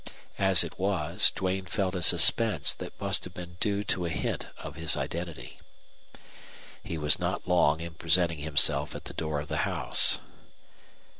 As it was, Duane felt a suspense that must have been due to a hint of his identity. He was not long in presenting himself at the door of the house.